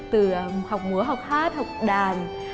từ học múa học hát học đàn